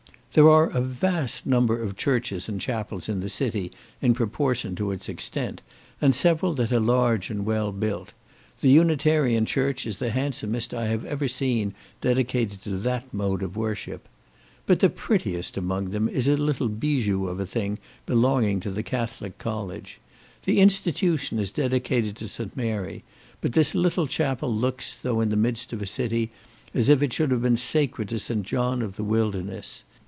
There are a vast number of churches and chapels in the city, in proportion to its extent, and several that are large and well built; the Unitarian church is the handsomest I have ever seen dedicated to that mode of worship. But the prettiest among them is a little bijou of a thing belonging to the Catholic college. The institution is dedicated to St. Mary, but this little chapel looks, though in the midst of a city, as if it should have been sacred to St. John of the wilderness.